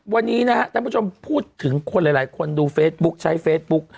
วันนี้นะฮะท่านผู้ชมพูดถึงคนหลายคนดูเฟซบุ๊คใช้เฟซบุ๊ก